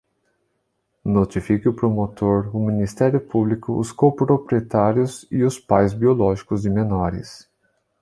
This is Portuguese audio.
Notifique o promotor, o Ministério Público, os coproprietários e os pais biológicos de menores.